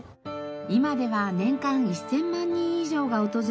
今では年間１０００万人以上が訪れる上野公園。